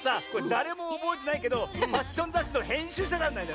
だれもおぼえてないけどファッションざっしのへんしゅうしゃなんだ！